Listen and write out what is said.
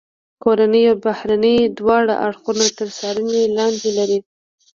کورني او بهرني دواړه اړخونه تر څارنې لاندې لري.